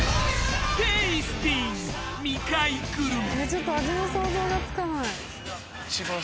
ちょっと味の想像がつかない。